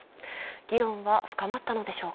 議論は深まったのでしょうか。